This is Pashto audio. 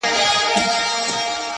او دا په نړۍ کي معمول دی